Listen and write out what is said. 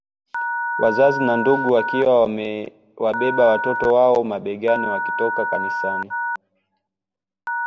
Wazazi na ndugu wakiwa wamewabeba watoto wao mabegani wakitoka kanisani